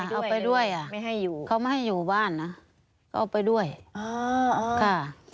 เอาไปด้วยอ่ะเขาไม่ให้อยู่บ้านนะก็เอาไปด้วยค่ะ